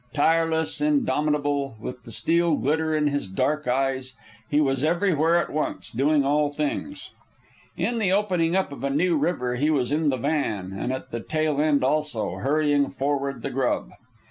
Tireless, indomitable, with the steel glitter in his dark eyes, he was everywhere at once, doing all things. In the opening up of a new river he was in the van; and at the tail end also, hurrying forward the grub.